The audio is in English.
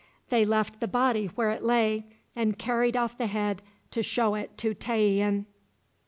They left the body where it lay, and carried off the head to show it to Tayian.